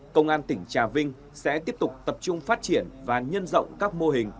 công an tỉnh trà vinh sẽ tiếp tục tập trung phát triển và nhân rộng các mô hình